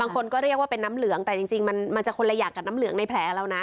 คนก็เรียกว่าเป็นน้ำเหลืองแต่จริงมันจะคนละอย่างกับน้ำเหลืองในแผลเรานะ